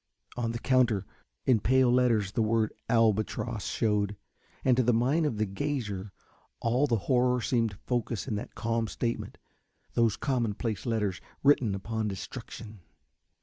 On the counter in pale letters the word "Albatross" shewed, and to the mind of the gazer all the horror seemed focussed in that calm statement, those commonplace letters written upon destruction.